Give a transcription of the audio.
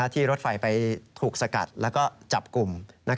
ที่รถไฟไปถูกสกัดแล้วก็จับกลุ่ม